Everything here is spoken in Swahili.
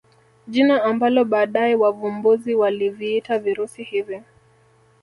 Jina ambalo baadaye wavumbuzi waliviita virusi hivi